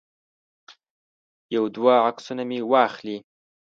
یو دوه عکسونه مې واخلي.